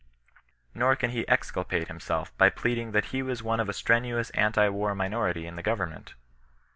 Nor can he exculpate himself by pleading that he was one of a strenuous anti war miifwHiy in the government.